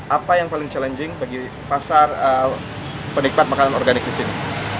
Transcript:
apa yang paling challenging bagi pasar penikmat makanan organik di sini